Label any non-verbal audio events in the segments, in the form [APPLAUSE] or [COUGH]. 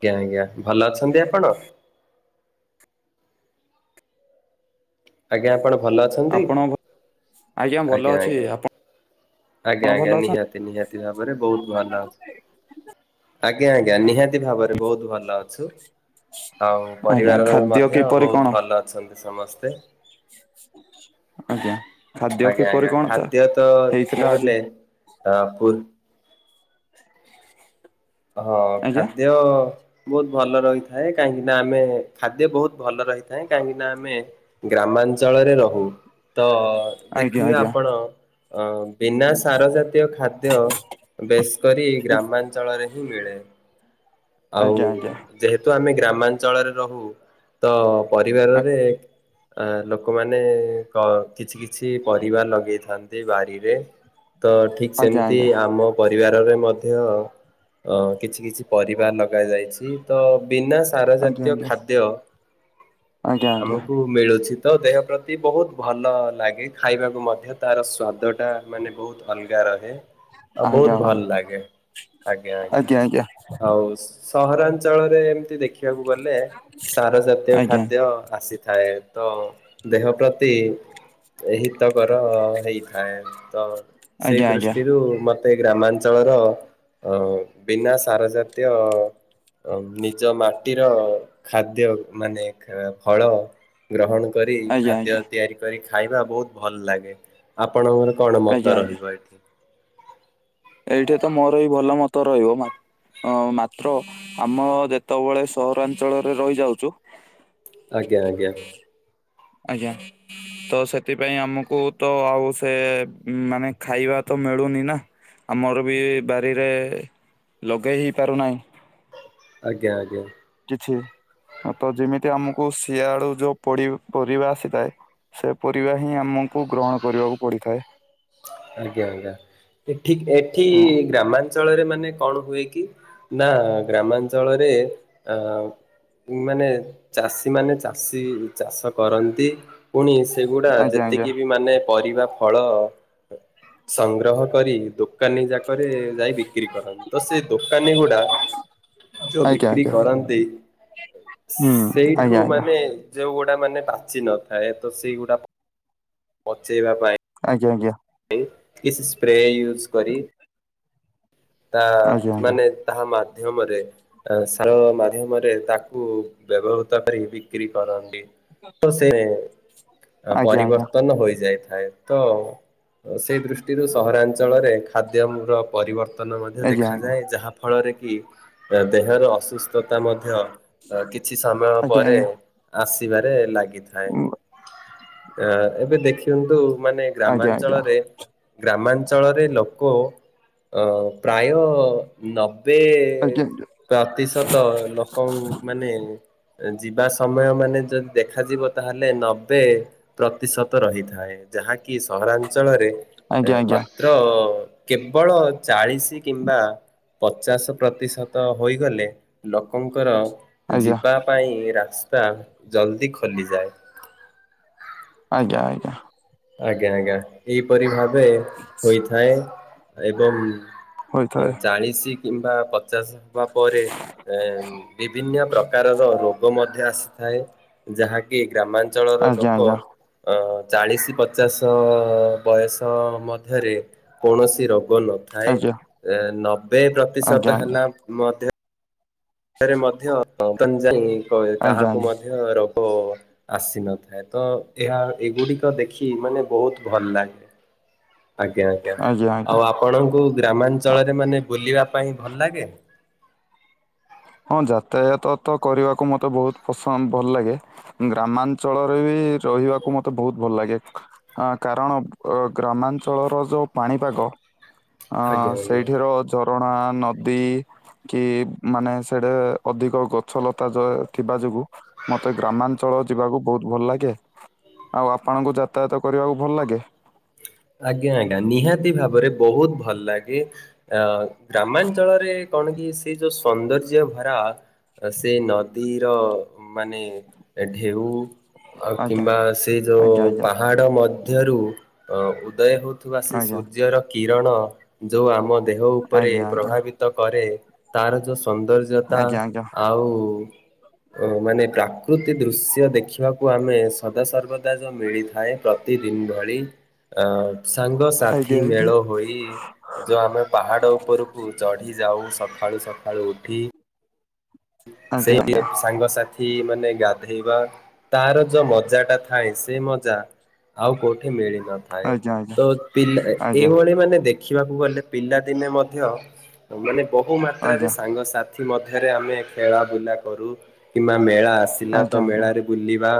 ଆଜ୍ଞା ଆଜ୍ଞା ଭଲ ଅଛନ୍ତି ଆପଣ। ଆଜ୍ଞା ଆପଣ ଭଲ ଅଛନ୍ତି। ଆପଣ ଭଲ ଆଜ୍ଞା ଅଛି ଆଜ୍ଞା। ଆପଣ ଆଜ୍ଞା ଭଲ ଆଜ୍ଞା ଅଛ ନିହାତି ନିହାତି ଭାବରେ ବହୁତ ଭଲ ଅ ଆଜ୍ଞା ଆଜ୍ଞା ନିହାତି ଭାବରେ ବହୁତ ଭଲ ଅଛୁ। ଆଉ ଆଜ୍ଞା ପରିବାରର ଖାଦ୍ୟ ମଧ୍ୟ କିପରି ବହୁତ କଣ ଭଲ ଅଛନ୍ତି ସମସ୍ତେ। ଆଜ୍ଞା। ଖାଦ୍ୟ ଆଜ୍ଞା କିପରି ଆଜ୍ଞା କଣ ତା ଖାଦ୍ୟ ତ ହେଇଥିଲା ଦେଖିବାକୁ ଆଜି ଗଲେ ଅ ପୂର୍ ହଁ ଆଜ୍ଞା ଖାଦ୍ୟ ବହୁତ ଭଲ ରହିଥାଏ। କାହିଁକି ନା ଆମେ ଖାଦ୍ୟ ବହୁତ ଭଲ ରହିଥାଏ। କାହିଁକିନା ଆମେ ଗ୍ରାମାଞ୍ଚଳରେ ରହୁ। ତ ଆଜ୍ଞା ଦେଖିବେ ଆପଣ ବିନା ସାର ଜାତୀୟ ଖାଦ୍ୟ ବେଶ୍ କରି ଗ୍ରାମାଞ୍ଚଳରେ ହିଁ ମିଳେ। ଆଉ ଆଜ୍ଞା ଆଜ୍ଞା ଆଜ୍ଞା ଯେହେତୁ ଆମେ ଗ୍ରାମାଞ୍ଚଳରେ ରହୁ। ତ ପରିବାରରେ ଅ ଲୋକମାନେ କ କିଛି କିଛି ପରିବା ଲଗେଇଥାନ୍ତି ବାରିରେ। ତ ଠିକ୍ ଆଜ୍ଞା ଆଜ୍ଞା ସେମିତି ଆମ ପରିବାରରେ ମଧ୍ୟ ଅ କିଛି କିଛି ପରି ଗା ଲଗା ଯାଇଛି। ତ ବିନା ସାର ଆଜ୍ଞା ଜାତୀୟ ଖାଦ୍ୟ ଆଜ୍ଞା ଆଜ୍ଞା ଆମକୁ ମିଳୁଛି। ତ ଦେହ ପ୍ରତି ବହୁତ ଭଲ ଲାଗେ। ଖାଇବାକୁ ମଧ୍ୟ ତାର ସ୍ୱାଦଟା ମାନେ ବହୁତ ଅଲଗା ରହେ। ଆଉ ଆଜ୍ଞା ଆଜ୍ଞା ବହୁତ ଭାଇ ଭଲ ଲାଗେ ଆଜ୍ଞା ଆଜ୍ଞା। ଆଉ ସହରାଞ୍ଚଳରେ ଏମତି ଦେଖିବାକୁ ଗଲେ। ସାର ଜାତୀୟ ଆଜ୍ଞା ଖାଦ୍ୟ ଆସି ଥାଏ ତ ଦେହ ପ୍ରତି ହିତକର ହେଇଥାଏ। ତ ସେଇ ଆଜ୍ଞା ଆଜ୍ଞା ଦୃଷ୍ଟିରୁ ମତେ ଗ୍ରାମାଞ୍ଚଳର ଅ ବିନା ସାରଜାତ୍ ତ୍ୟ ନିଜ ମାଟିର ଖାଦ୍ୟ ମାନେ ଫଳ ଗ୍ରହଣ କରି ଆଜ୍ଞା ଆଜ୍ଞା ଖାଦ୍ୟ ଆଜ୍ଞା ତିଆରି କରି ଖାଇବା ବହୁତ ଭଲ ଲାଗେ। ଆପଣଙ୍କର କଣ ମତ ଆଜ୍ଞା ରହିବ ଏଠି? ଏଇଠି ତ ମୋର ହି ଭଲ ମତ ରହିବ। ଅ ମାତ୍ର ଆମ ଯେତେବେଳେ ସହରାଞ୍ଚଳରେ ରହିଯାଉଛୁ। ଆଜ୍ଞା ଆଜ୍ଞା। ଆଜ୍ଞା। ତ ସେଥିପାଇଁ ଆମକୁ ତ ଆଉ ସେ ମାନେ ଖାଇବା ତ ମିଳୁନି ନା। ଆମର ବି ବାରିରେ ଲଗେଇ ହେଇ ପାରୁନାହିଁ। ଆଜ୍ଞା ଆଜ୍ଞା। ଅ ତ ଯେମିତି ଆମକୁ ସିଆ ଆଳୁ ଯୋଉ ପରିବା ଆସିଥାଏ। ସେ ପରିବା ହିଁ ଆମକୁ ଗ୍ରହଣ କରିବାକୁ ପଡିଥାଏ। ଆଜ୍ଞା ଆଜ୍ଞା। ଏଠି ଏଠି ହଁ ଗ୍ରାମାଞ୍ଚଳରେ ମାନେ ମାନେ କଣ ହୁଏ କି ନା ଗ୍ରାମାଞ୍ଚଳରେ ଅ ମାନେ ଚାଷୀ ମାନେ ଚାଷୀ ଚାଷ କରନ୍ତି। ପୁଣି ସେଗୁଡା ଆଜ୍ଞା ଯେତିକି ବି ମାନେ ପରିବା ଫଳ ସଂଗ୍ରହ କରି ଦୋ ଦୋକାନୀ ଯାକରେ ଯାଇ ବିକ୍ରି କରନ୍ତି। ତ ସେ ଦୋକାନୀ ଗୁଡା ଯୋଉ ଆଜ୍ଞା ବିକ୍ରି କରନ୍ତି ଆଜ୍ଞା ସେଇଠୁ ଆଜ୍ଞା ହୁଁ ମାନେ ଯୋଉ ଗୋଟେ ମାନେ ପାଚି ନଥାଏ ତ ସେଇଗୁଡା ପଚେଇବା ପାଇଁ। ଆଜ୍ଞା ଆଜ୍ଞା। କିଛି ସ୍ପ୍ରେ ୟୁଜ କରି ତା ଆଜ୍ଞା ମାନେ ତାହା ମା ଧ୍ୟମରେ ସାର ମାଧ୍ୟମରେ ତାକୁ ବ୍ୟବହୃତ କରି ବିକ୍ରି କରନ୍ତି ତ ସେ ଆଜ୍ଞା ଆଜ୍ଞା। ପରିବର୍ତ୍ତନ ହୋଇଯାଏ। ଥାଏ ତ ସେଇ ଦୃଷ୍ଟିରୁ ସହରାଞ୍ଚଳରେ ଖାଦ୍ୟର ପରିବର୍ତ୍ତନ ନ ମଧ୍ୟ ଆଜ୍ଞା ଆଜ୍ଞା ଦେଖାଯାଏ ଯାହା ଫଳରେ କି ଦେହର ଅସୁସ୍ଥତା ମଧ୍ୟ କିଛି ସମୟ ପରେ ଆସିବାରେ ଲାଗେ। ଥାଏ ଏବେ ଦେଖନ୍ତୁ ମାନେ ଆଜ୍ଞା ଗ୍ରାମାଞ୍ଚଳରେ ଗ୍ରାମାଞ୍ଚଳରେ ଲୋକ ଅ ପ୍ରାୟ ନ ଏବେ ପ୍ରତିଶତ ଲୋକ ମାନେ ଯିବା ସମୟ ମାନେ ଯଦି ଦେଖାଯିବ ତାହେଲେ ନବେ ପ୍ରତିଶତ ରହିଥାଏ। ଯାହାକି ସହରାଞ୍ଚଳରେ ଆଜ୍ଞା ଆଜ୍ଞା ଆଜ୍ଞା ଆଜ୍ଞା ଆଜ୍ଞା। ମାତ୍ର କେବଳ ଚାଳିଶି ଚାଳିଶି କିମ୍ବା ପଚାଶ ପ୍ରତିଶତ ହୋଇଗଲେ ଲୋକଙ୍କର ଯିବା ପାଇଁ ରାସ୍ତା ଜଲଦି ଖୋଲିଯାଏ। ଆଜ୍ଞା ଆଜ୍ଞା। ଆଜ୍ଞା ଆଜ୍ଞା ଏହିପରି ଭାବେ ହୋଇଥାଏ ଏବଂ ହୋଇଥାଏ। ଚାଳିଶି କିମ୍ବା ପଚାଶ ହେବା ପରେ ବିଭିନ୍ନ ପ୍ରକାରର ରୋଗ ମଧ୍ୟ ଆସିଥାଏ। ଥାଏ। ଯାହାକି ଗ୍ରାମାଞ୍ଚଳର ଆଜ୍ଞା ଲୋକ ଆଜ୍ଞା ଅ ଚାଳିଶି ପଚାଶ ବୟସ ମଧ୍ୟରେ କୌଣସି ରୋ ରୋଗ ନଥାଏ ଆଜ୍ଞା ନବେ ଆଜ୍ଞା ପ୍ରତିଶତ ଆଜ୍ଞା। ହେଲା ମଧ୍ୟ ମଧ୍ୟ ଆଜ୍ଞା କାହାକୁ ଆଜ୍ଞା ମଧ୍ୟ ରୋଗ ଆସିନଥାଏ। ତ ଏହା ଏଗୁଡ଼ିକ ଦେଖି ମାନେ ବହୁତ ଭଲ ଲାଗେ। ଆଜ୍ଞା ଆଜ୍ଞା। ଆଉ ଆପଣଙ୍କୁ ଆ- ଗ୍ରାମାଞ୍ଚଳରେ ମାନେ ବୁଲିବା ପାଇଁ ଭଲ ଲାଗେ? ହଁ ଯାତାୟାତ ତ କରିବାକୁ ମୋତେ ବହୁତ ପସନ୍ଦ ଭଲ ଲାଗେ। ଗ୍ରାମାଞ୍ଚଳରେ ବି ରହି ରହିବାକୁ ମତେ ବହୁତ ଭଲ ଲାଗେ କାରଣ ଗ୍ରାମାଞ୍ଚଳର ଯୋଉ ପାଣିପାଗ ଅ ଆଜ୍ଞା ଆଜ୍ଞା। ସେଇଠିର ଝରଣା ନଦୀ କି ମାନେ ସେଠାରେ ଅଧିକ ଗଛ ଲତା ଥିବା ଯୋଗୁଁ ମୋତେ ଗ୍ରାମାଞ୍ଚଳ ଯିବାକୁ ବହୁତ ଭଲ ଲାଗେ। ଆଉ ଆପଣଙ୍କୁ ଯାତାୟାତ କରିବାକୁ ଭଲ ଲାଗେ? ଆଜ୍ଞା ଆଜ୍ଞା ନିହାତି ଭାବରେ ବହୁତ ଭଲ ଲାଗେ ଅ ଗ୍ରାମାଞ୍ଚଳରେ କଣ କି ସେ ଯୋଉ ସୌନ୍ଦର୍ଯ୍ୟ ଭରା ସେ ନଦୀର ମାନେ ଢେଉ ଆଉ ଆଜ୍ଞା କିମ୍ବା ସେ ଆଜ୍ଞା ଯୋଉ ପାହାଡ଼ ମଧ୍ୟରୁ ଅ ଉଦୟ ହେଉଥିବା ସେ ଆଜ୍ଞା ସୂର୍ଯ୍ୟର କିରଣ ଯଉ ଆମ ଦେହ ଉପରେ ଆଜ୍ଞା ଆଜ୍ଞା ପ୍ରଭାବିତ କରେ ତାର ଯେଉଁ ସୌନ୍ଦର୍ଯ୍ୟତା ଆଜ୍ଞା ଆଉ [INAUDIBLE] ଓ ମାନେ ପ୍ରାକୃତି ଦୃଶ୍ୟ ଦେଖିବାକୁ ଆମେ ସଦାସର୍ବଦା ଯଉ ମିଳିଥାଏ ପ୍ରତିଦିନ ଭଳି। ଅ ସାଙ୍ଗସାଥି ଆଜ୍ଞା ମେଳ ହୋଇ ଯୋଉ ଆମେ ପାହାଡ଼ ଉପରକୁ ଚଢ଼ି ଯାଉ ସକାଳୁ ସକାଳୁ ସକାଳୁ ଉଠି ଆଜ୍ଞା ଆଜ୍ଞା ଆଜ୍ଞା ସେଇ ଆଜ୍ଞା ସାଙ୍ଗସାଥି ମାନେ ଗାଧେଇବା ତାର ଯୋଉ ମଜା ଟା ଥାଏ ସେ ମଜା ଆଉ କୋଉଠି ମିଳି ନଥାଏ ଆଜ୍ଞା ଆଜ୍ଞା ତ ପିଲା ଆଜ୍ଞା ଏଇଭଳି ମାନେ ଦେଖିବାକୁ ଦେଖିବାକୁ ଗଲେ ପିଲାଦିନେ ମଧ୍ୟ ମାନେ ବହୁ ମାତ୍ରାରେ ଆଜ୍ଞା ସାଙ୍ଗସାଥି ସାଙ୍ଗସାଥି ମଧ୍ୟରେ ଆମେ ଖେଳା ବୁଲା କରୁ କିମ୍ବା ମେଳା ଆସିଲା ତ ଆଜ୍ଞା ମେଳାରେ ବୁଲିବା।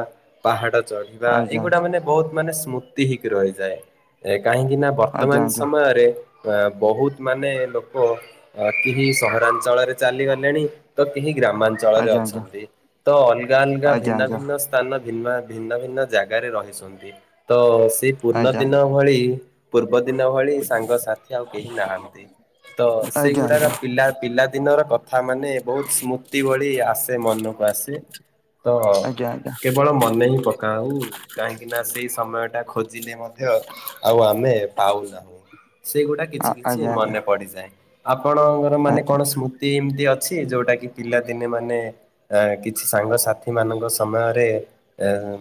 ପାହାଡ଼ ଚଢ଼ିବା ଏଇ ଆଜ୍ଞା ଗୁଡ଼ା ମାନେ ବୋହୁତ ମାନେ ସ୍ମୃତି ହେଇକି ରହିଯାଏ। ଏଇକ୍ କାହିଁକି ନା ବର୍ତ୍ତମାନ ଆଜ୍ଞା ସମୟରେ ଆ ବୋହୁତ ମାନେ ଲୋକ କେହି ସହରାଞ୍ଚଳରେ ଚାଲିଗଲେଣି ତ ଏହି ଗ୍ରାମାଞ୍ଚଳରେ ଆଜ୍ଞା ଅଛନ୍ତି। ତ ଅଲଗା ଅଲଗା ଆଜ୍ଞା ଭିନ୍ନ ଭିନ୍ନ ସ୍ଥାନ ଭିନ୍ନା ଭିନ୍ନ ଭିନ୍ନ ଜାଗାରେ ରହିଛନ୍ତି ତ ସ୍ ସେ ପୂର୍ଣ୍ଣ ଆଜ୍ଞା ଦିନ ଭଳି। ପୂର୍ବ ଦିନ ଭଳି ସାଙ୍ଗସାଥି ଆଉ କେହି ନାହାନ୍ତି। ତ ଆଜ୍ଞା। ଆଜ୍ଞା ସେଇ ଗୁଡ଼ାର ଆଜ୍ଞା ପିଲା ପିଲାଦିନର କ କଥା ମାନେ ବୋହୁତ୍ ସ୍ମୃତି ଭଳି ଆସେ ମନକୁ ଆସେ। ତ ଆଜ୍ଞା ଆଜ୍ଞା ଆଜ୍ଞା ଆଜ୍ଞା କେବଳ ମନେ ହିଁ ପକାଉ କାହିଁକି ନା ସେଇ ସମୟ ଟା ଖୋଜିଲେ ମଧ୍ୟ ଆଉ ଆମେ ପାଉନାହୁଁ। ସେଗୁଡ଼ାକ କିଛି ଆ- କିଛି ଆଜ୍ଞା ଆଜ୍ଞା ମନେ ପଡ଼ିଯାଏ। ଆପଣଙ୍କର ମାନେ ଆଜ୍ଞା। କଣ ସ୍ମୃତି ଏମିତି ଅ ଛି ଯୋଉଁଟା କିି ପିଲାଦିନେ ମାନେ କିଛି ସାଙ୍ଗସାଥି ମାନଙ୍କ ସମୟରେ ଏଁ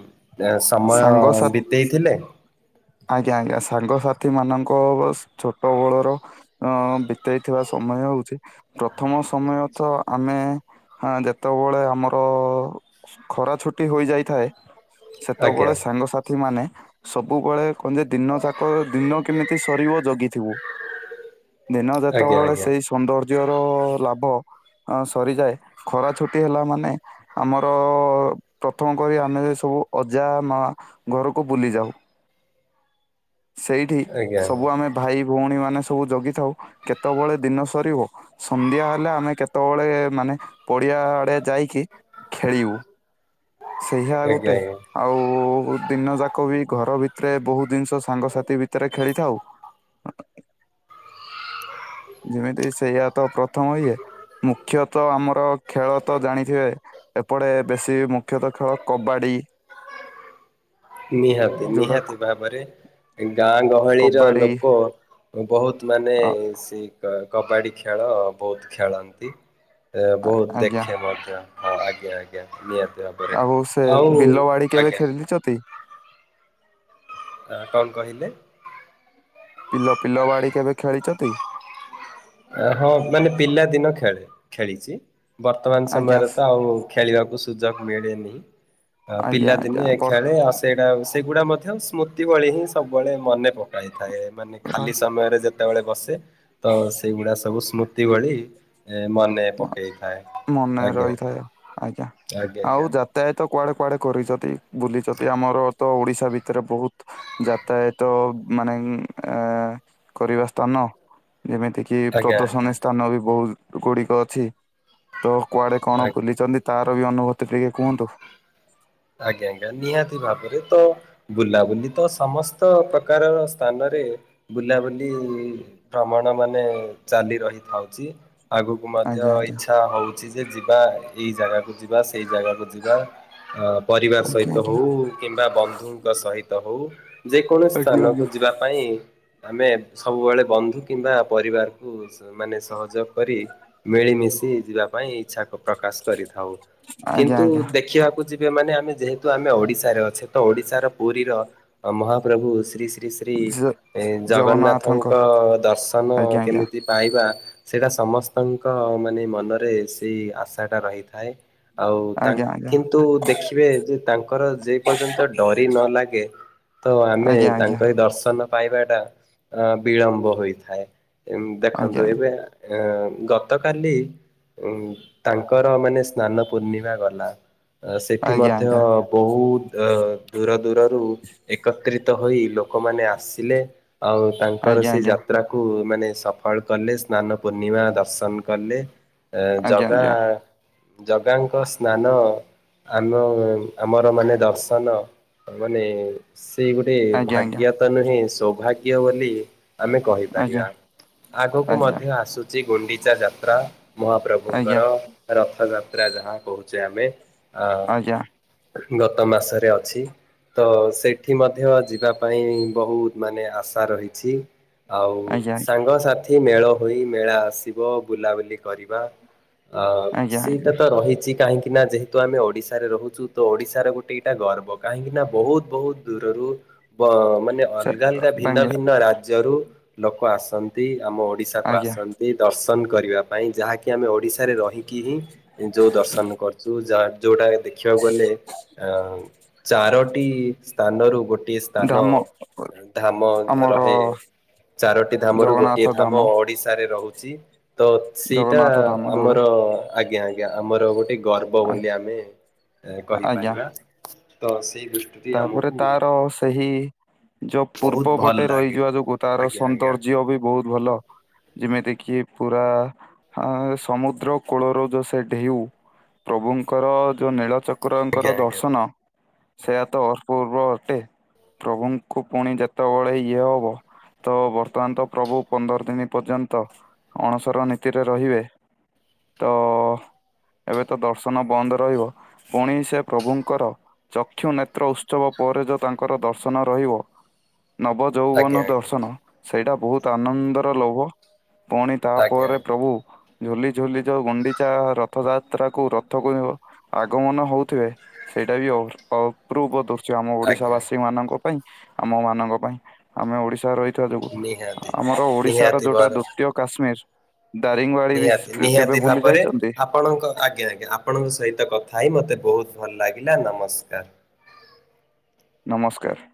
ଏ ସମୟ ସାଙ୍ଗସାଥି ବିତେଇଥିଲେ? ଆଜ୍ଞା ଆଜ୍ଞା ସାଙ୍ଗସାଥି ମାନଙ୍କ ବାସ୍ ଛୋଟ ବେଳର ଅ ବିତେଇଥିବା ସ ସମୟ ହୋଉଚି ପ୍ରଥମ ସମୟ ତ ଆମେ ହାଁ ଯେତେବେଳେ ଆମର ଖରା ଛୁଟି ହୋଇଯାଇଥାଏ ଆଜ୍ଞା ସେତେବେଳେ ସାଙ୍ଗସାଥି ମାନେ ସବୁବେଳେ କହନ୍ତି ଦିନଯାଙ୍କ ଦିନ କେମିତି ସରିବ ଜଗିଥିବୁ। ଦିନ ଆଜ୍ଞା ଯେତେବେଳେ ଆଜ୍ଞା ସେଇ ସୌନ୍ଦର୍ଯ୍ୟ ର ଲାଭ ଅ ସରିଯାଏ ଖରା ଛୁଟି ହେଲା ମାନେ ଆମର ପ୍ରଥମ କରି ଆମେ ସେ ସବୁ ଅଜା ମା ଘରକୁ ବୁଲି ଯାଉ। ସେଇଠି ଆଜ୍ଞା ସବୁ ଆମେ ଭାଇ ଭୋଉଣୀ ମାନେ ସବୁ ଜଗିଥାଉ କେତୋବେଳେ ଦିନ ସରିବ ସନ୍ଧ୍ୟା ହେଲେ ଆମେ କେତୋବେଳେ ମାନେ ପଡି ହ୍ଯାଆଡେ ଯାଇକି ଖେଳିବୁ। ସେହିଆ ଆଜ୍ଞା ଗୋଟେ ଆଜ୍ଞା। ଆଉ ଦିନ ଯାଙ୍କ ବି ଘର ଭିତରେ ବୋହୁତ ଦିନଷ ସାଙ୍ଗସାଥି ଭିତରେ ଖେଳିଥାଉ ଆ। ଯେମିତି ସେଇଆ ତ ପ୍ରଥମ ଇଏ ମୁଖ୍ୟତଃ ଆମର ଖେଳ ତ ଜାଣିଥିବେ ଏପଟେ ବେଶୀ ମୁଖ୍ୟତଃ ଖେଳ କବାଡି। ଇ ନିହାତି ଯୋଉଟା ନିହାତି କ- ଭାବରେ ଗାଁ ଗହଳିର କବାଡି ଲୋକ ବୋହୁତ ମାନେ ଅ ସେ କବାଡି ଖେଳ ବୋହୁତ ଖେଳନ୍ତି। ଏ ଆ- ବୋହୁତ ଆଜ୍ଞା ଦେଖେ ମଧ୍ୟ ହଁ ଆଜ୍ଞା ଆଜ୍ଞା ନିହା ଆଉ ସେ [INAUDIBLE] ଆଉ ବିଲ ବାଡି କେବେ ଆଜ୍ଞା। ଖେଳିଛନ୍ତି? ତା କଣ କହିଲେ? ପିଲ ପିଲ ବାଡି କେବେ ଖେଳିଚନ୍ତି? ଆ ହଁ ମାନେ ପିଲା ଦିନ ଖେଳେ ଖେଳିଚି ବର୍ତ୍ତମାନ ଆଜ୍ଞା ସମୟରେ ତ ଆଉ ଖେଳିବାକୁ ସୁଯୋଗ ମିଳେନି ଆ ଆଜ୍ଞା ପିଲା ଦିନେ ଆଜ୍ଞା ବର୍ ଖେଳେ ଆଉ ସେଇଟା ସେଗୁଡ଼ା ମଧ୍ୟ ସ୍ମୃତି ଭଳି ହିଁ ସବୁବେଳେ ମନେ ପକାଇଥାଏ। ମାନେ ଖାଲି ରହି ସମୟରେ ଯେତେବେଳେ ବସେ ତ ସ୍ ତି ଭଳି ଏଁ ମନେ ପ ମନେ ରହିଥାଏ ଆଜ୍ଞା ଆଜ୍ଞା ଆଜ୍ଞା ଆଉ ଯାତାୟତ କୁଆଡେ କୁଆଡେ କରିଚନ୍ତି ବୁଲିଚନ୍ତି ଆମର ତ ଓଡିଶା ଭିତରେ ବୋହୁତ ଯାତାୟତ ମାନେଙ୍ଗ ଆଁ କରିବା ସ୍ଥାନ ଯେମିତି କିି ଆଜ୍ଞା ଆଜ୍ଞା ପ୍ରଦର୍ଶନୀ ସ୍ଥାନ ବି ବୋହୁତ ଗୁଡିକ ଅଛି। ତ କୁଆଡେ କଣ ଆଜ୍ଞା। ବୁଲିଚନ୍ତି ତାର ବି ଅନୁଭୂତି ଟିକେ କୁହନ୍ତୁ? ଆଜ୍ଞା ଆଜ୍ଞା ନିହାତି ଭାବରେ ତ ବୁଲାବୁଲି ତ ସମସ୍ତ ପ୍ରକାର ସ୍ଥାନରେ ରେ ବୁଲାବୁଲି ଭ୍ରମଣ ମାନେ ଚାଲି ରହିଥାଉଚି। ଆଗକୁ ମଧ୍ୟ ଆଜ୍ଞା ଆଜ୍ଞା ଇଚ୍ଛା ହୋଉ ଛି ଯେ ଯିବା ଏଇ ଜାଗାକୁ ଯିବା ସେଇ ଜାଗାକୁ ଯିବା ଆ ପରିବାର ଆଜ୍ଞା ସହିତ ହୋଉ। କିମ୍ବା ବନ୍ଧୁଙ୍କ ସହିତ ହୋଉ ଯେକୌଣସି ସ୍ଥାନକୁ ଆଜ୍ଞା। ଯିବା ପାଇଁ ଆମେ ସବୁବେଳେ ବନ୍ଧୁ କିମ୍ବା ପରିବାରକୁ ମାନେ ସ୍ ସହଯୋଗ କରି ମିଳିମିଶି ଯିବା ପାଇଁ ଇଛା ପ୍ରକାଶ କରିଥାଉ, ଆଜ୍ଞା ଆଜ୍ଞା ଆଜ୍ଞା କିନ୍ତୁ ଆଜ୍ଞା ଦେଖିବାକୁ ଯିବେ ମାନେ ଆମେ ଯେହେତୁ ଆମେ ଓଡିଶାରେ ଅଛେ ତ ଓଡିଶାର ପୁରୀର ମହାପ୍ରଭୁ ଶ୍ରୀ ଶ୍ରୀ ଶ୍ରୀ ଶ୍ରୀ ଜ ଜଗନ୍ନାଥଙ୍କ ଦର୍ଶନ ଆଜ୍ଞା କେମିତି ପାଇବା ସେଇଟା ସମସ୍ତଙ୍କ ମାନେ ମନରେ ସେଇ ଆଶାଟା ରହିଥାଏ। ଆଉ ତାଙ୍କ ଆଜ୍ଞା କିନ୍ତୁ ଦେଖି ବେ ଯେ ତାଙ୍କର ଯେ ପର୍ଯ୍ୟନ୍ତ ଡୋରି ନ ଲାଗେ ତ ଆମେ ଆଜ୍ଞା ତାଙ୍କ ଆଜ୍ଞା। ଏ ଦର୍ଶନ ପାଇବାଟା ଅ ବିଳମ୍ବ ହୋଇଥାଏ, ଉମ ଆଜ୍ଞା ଆଜ୍ଞା ଦେଖନ୍ତୁ ଏବେ ଆ ଗତକାଲି ଉ ତାଙ୍କର ମାନେ ସ୍ନାନ ପୂର୍ଣ୍ଣିମା ଗଲା। ଠି ମଧ୍ୟ ଆଜ୍ଞା ବହୁତ ଅ ଦୂର ଦୂରରୁ ଏକତ୍ରିତ ହୋଇ ଲୋକମାନେ ଆସିଲେ, ଆଉ ତାଙ୍କର ସେଇ ଯାତ୍ରାକୁୁ ମାନେ ସଫଳ କଲେ, ସ୍ନାନ ପୂର୍ଣ୍ଣିମା ଦର୍ଶନ କଲେ, ଏ ଜଗା ଆଜ୍ଞା ଜଗାଙ୍କ ସ୍ନାନ ଆମ ଆମର ମାନେ ଦର୍ଶନ ମାନେ ସେ ଗୋଟେ ଆଜ୍ଞା ଆଜ୍ଞା ଭାଗ୍ୟ ତ ନୁହେଁ ସୌଭାଗ୍ୟ ବୋଲି ଆମେ ଆଜ୍ଞା କହିପାରିବା, ଆଗକୁ ମଧ୍ୟ ଆସୁଛି ଗୁଣ୍ଡିଚା ଯାତ୍ରା। ଆଜ୍ଞା ଆଜ୍ଞା। ଆଜ୍ଞା ଆଜ୍ଞା ଆଜ୍ଞା ମହାପ୍ରଭୁଙ୍କର ରଥଯାତ୍ରା ଯାହା କହୁଛେ ଆମେ ଅଁ ଆଜ୍ଞା ଆଜ୍ଞା ଆଜ୍ଞା ଗତ ମାସରେ ଅଛି। ତ ସେଠି ମଧ୍ୟ ଯିବା ପାଇଁ ବହୁତ ମାନେ ଆଶା ରହିଛି। ଆଉ ଆଜ୍ଞା ଆଜ୍ଞା। ସାଙ୍ଗସାଥି ମେଳ ହୋଇ ମେଳା ଆସିବ ବୁଲାବୁଲି କରିବା ଅ ଆଜ୍ଞା ଆଜ୍ଞା ସେଇଟା ତ ରହିଛି କାହିଁକି ନା ଯେ ତ ଆମେ ଓଡିଶାରେ ରହୁଛୁ ତ ଓଡିଶାର ଗୋଟେ ଏଇଟା ଗର୍ବ, କାହିଁକି ନା ବହୁତ ବହୁତ ଦୂରରୁ ବ ମାନେ ସେ ଅଲଗା ଅଲଗା ଭିନ୍ନ ଆଜ୍ଞା ଭିନ୍ନ ରାଜ୍ୟରୁ ଲୋକ ଆସ ନ୍ତି ଆମ ଓଡିଶାକୁ ଆଜ୍ଞା ଆସନ୍ତି ଦର୍ଶନ କରିବା ପାଇଁ ଯାହା କି ଆମେ ଓଡିଶାରେ ରହିକି ହିଁ ଯୋଉ ଦର୍ଶନ କରୁଛୁ ଯା ଯୋଉଟା ଦେଖିବାକୁ ଗଲେ ଅ ଚାରୋଟି ସ୍ଥାନରୁ ଗୋ ଏ ସ୍ଥାନ ଧାମ ଧାମ ଆମର ରହେ ଚାରୋଟି ଧାମରୁ ଗୋଟିଏ ଧାମ ଓଡିଶାରେ ରହୁ ଚି। ତ ସେଇଟା ଜଗନ୍ନାଥ ଧାମ ଯୋଉଟା ଆମର ଆଜ୍ଞା ଆଜ୍ଞା ଆମର ଗୋଟେ ହବ ଆ- ବୋଲି ଆମେ ଆଜ୍ଞା କହିପାରିବା, ତ ସେଇ ଦୃଷ୍ଟିଟି ତାପରେ ଆମକୁ ତାର ସେହି ଯୋଉ ବହୁତ ପୂର୍ବ ଭଲ ପଟେ ଲାଗେ। ରହିଯିବା ଯୋଗୁ ତାର ଆଜ୍ଞା ଆଜ୍ଞା ସୌନ୍ଦର୍ଯ୍ୟ ବି ବହୁତ ଭଲ। ଯେମିତି କିି ପୁରା ଅଁ ସମୁଦ୍ର କୂଳରୁ ଯୋଉ ସେ ଢେଉ ପ୍ରଭୁଙ୍କର ଯୋଉ ଆଜ୍ଞା ନୀଳଚକ୍ରଙ୍କର ଆଜ୍ଞା ଆଜ୍ଞା ଦର୍ଶନ ସେଇଆ ତ ଅପୂର୍ବ ଅଟେ, ପ୍ରଭୁଙ୍କୁ ପୁଣି ଯେତେବେଳେ ଇଏ ହବ ତ ବର୍ତ୍ତମାନ ତ ପ୍ରଭୁ ପନ୍ଦର ଦିନ ପର୍ଯ୍ୟନ୍ତ ଅଣସର ନୀତିରେ ରହିବେ। ତ ଏବେ ତ ଦର୍ଶନ ବନ୍ଦ ରହିବ, ପୁଣି ସେ ପ୍ରଭୁଙ୍କର ଚକ୍ଷୁ ନେ ତ୍ର ଉତ୍ସବ ପରେ ଯୋ ତାଙ୍କର ଦର୍ଶନ ରହିବ, ଆଜ୍ଞା ନବଯୌବନ ଆଜ୍ଞା ଦର୍ଶନ ସେଇଟା ବହୁତ ଆନନ୍ଦର ଲୌହ, ପୁଣି ତାପରେ ଆଜ୍ଞା। ପ୍ରଭୁ ଝୁଲି ଝୁଲି ଯୋଉ ଗୁଣ୍ଡିଚା ରଥଯାତ୍ରାକୁ ରଥକୁ ଆଗମନ ହଉଥିବେ ସେ ସେଇଟା ବି ଅଉ ଅଉ ପୂର୍ବ ଦୃଶ୍ୟ ଆମ ଆଜ୍ଞା ଆଜ୍ଞା ଓଡିଶାବାସୀ ମାନଙ୍କ ପାଇଁ, ଆମ ମାନଙ୍କ ପାଇଁ, ଆମେ ଓଡି ଶା ରହିଥିବା ଯୋଗୁ ନିହାତି ଆମର ଓଡିଶାର ନିହାତି ଯୋଉଟା ଭାବରେ ଦୁତୀୟ କାଶ୍ମୀର ଦାରିଙ୍ଗବାଡି ବି ନିହାତି କେବେ ନିହାତି ବୁଲି ଭାବରେ ଯାଇଛନ୍ତି ଆପଣଙ୍କ ଆଜ୍ଞା ଆଜ୍ଞା ଆପଣଙ୍କ ସହିତ କଥା ଥାଇ ମୋତେ ବହୁତ ଭଲ ଲାଗିଲା ନମସ୍କାର। ନମସ୍କାର।